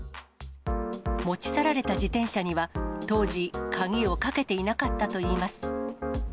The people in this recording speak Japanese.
持ち去られた自転車には、当時、鍵をかけていなかったといいます。